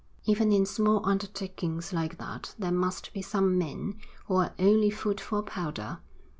Even in small undertakings like that there must be some men who are only food for powder.